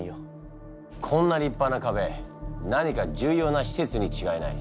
こんな立派な壁何か重要な施設に違いない。